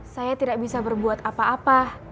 saya tidak bisa berbuat apa apa